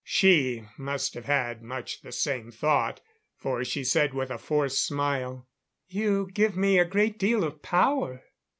She must have had much the same thought, for she said with a forced smile: "You give me a great deal of power.